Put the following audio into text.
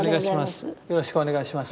よろしくお願いします。